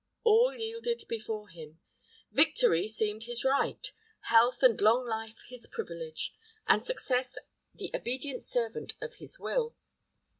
All yielded before him; victory seemed his right; health and long life his privilege; and success the obedient servant of his will.